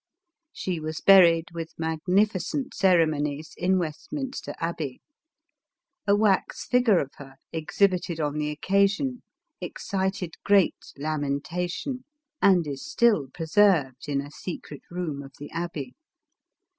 She was burj^fc with magnificent ceremonies, in Westminster Abbey. A wax figure of her, exhibited on the occasion, excited great lamentation, and is still preserved in a secret room of the Abbey.